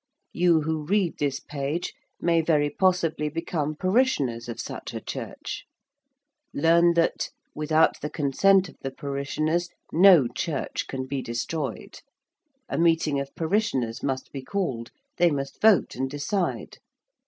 You who read this page may very possibly become parishioners of such a church. Learn that, without the consent of the parishioners, no church can be destroyed. A meeting of parishioners must be called: they must vote and decide.